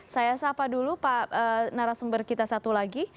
saya sapa dulu pak narasumber kita satu lagi